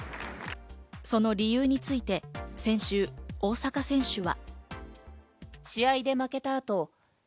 その理由について先週、大坂選手は。